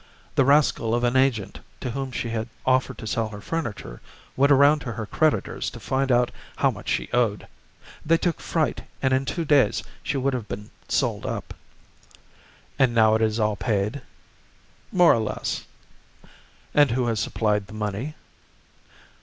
The rascal of an agent to whom she had offered to sell her furniture went around to her creditors to find out how much she owed; they took fright, and in two days she would have been sold up." "And now it is all paid?" "More or less." "And who has supplied the money?"